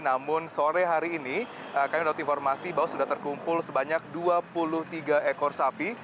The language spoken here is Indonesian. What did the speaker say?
namun sore hari ini kami mendapat informasi bahwa sudah terkumpul sebanyak dua puluh tiga ekor sapi